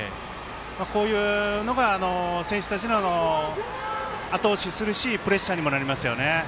こういうのが選手たちをあと押しするしプレッシャーにもなりますよね。